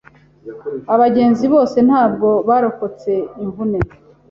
Abagenzi bose ntabwo barokotse imvune.